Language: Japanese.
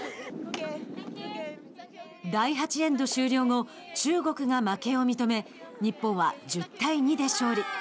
第８エンド終了後中国が負けを認め日本は１０対２で勝利。